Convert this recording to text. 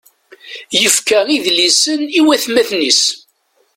Yefka idlisen i watmaten-is.